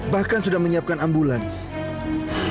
bahkan sudah menyiapkan ambulans